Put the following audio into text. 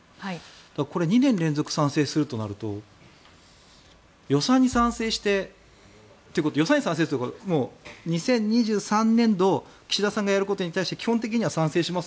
これ、２年連続賛成するとなると予算に賛成して２０２３年度岸田さんがやることに対して基本的には賛成します